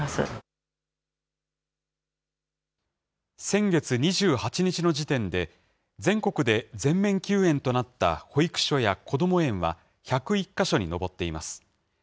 先月２８日の時点で、全国で全面休園となった保育所やこども園は、１０１か所に上っています。